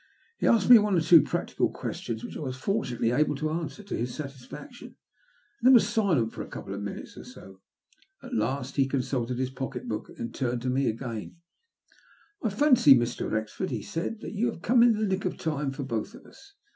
He asked one or two practical questions, which I was fortunately able to answer to his satisfaction, and then was silent for a couple of minutes or so. At laet he consulted his pocket book, and then turned to me again. " I fancy, Mr. Wrexford," he said, " that you have come in the nick of time for both of us.